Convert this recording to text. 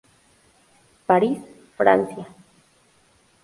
Paris, Francia.